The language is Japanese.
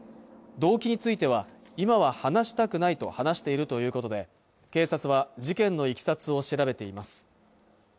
動機については今は話したくないと話しているということで警察は事件の経緯を調べています